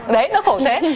đấy nó khổ tết